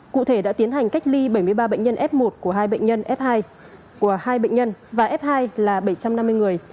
cụ thể đã tiến hành cách ly bảy mươi ba bệnh nhân f một của hai bệnh nhân f hai và f hai là bảy trăm năm mươi người